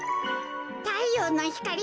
たいようのひかり